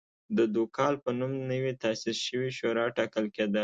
د دوکال په نوم نوې تاسیس شوې شورا ټاکل کېده